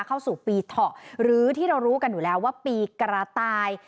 เข้าสู่ปีเถาะหรือที่เรารู้กันอยู่แล้วว่าปีกระต่าย